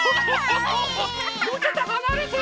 もうちょっとはなれて！